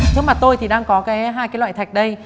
trước mặt tôi thì đang có hai loại thạch đây